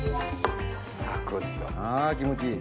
サクっと気持ちいい。